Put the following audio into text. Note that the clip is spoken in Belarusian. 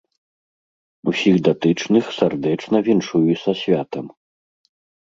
Усіх датычных сардэчна віншую са святам.